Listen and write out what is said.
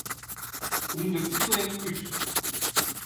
Undertiteling út.